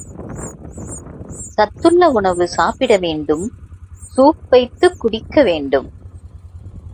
சத்துள்ள உணவு சாப்பிட வேண்டும் சூப் வைத்துக் குடிக்க வேண்டும்.